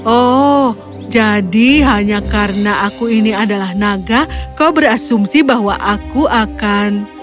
oh jadi hanya karena aku ini adalah naga kau berasumsi bahwa aku akan